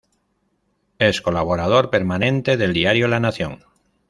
Es colaborador permanente del diario "La Nación".